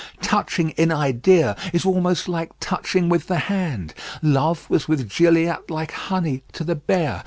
Touching in idea is almost like touching with the hand. Love was with Gilliatt like honey to the bear.